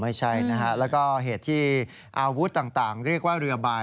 ไม่ใช่นะฮะแล้วก็เหตุที่อาวุธต่างเรียกว่าเรือบาย